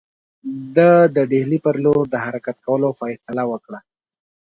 ده د ډهلي پر لور د حرکت کولو فیصله وکړه.